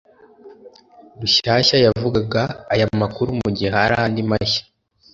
Rushyashya yavugaga aya makuru mu gihe hari andi mashya